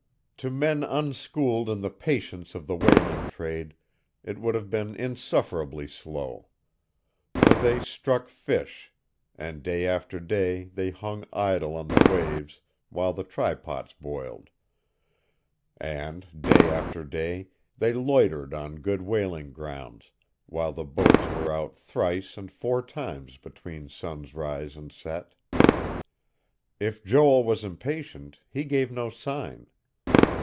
To men unschooled in the patience of the whaling trade, it would have been insufferably slow. For they struck fish; and day after day they hung idle on the waves while the trypots boiled; and day after day they loitered on good whaling grounds, when the boats were out thrice and four times between sun's rise and set. If Joel was impatient, he gave no sign.